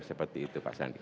seperti itu pak sandi